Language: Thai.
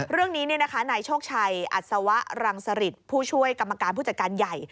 เรื่องนี้นายโชคชัยอัศวะรังสริตผู้ช่วยกรรมการผู้จัดการใหญ่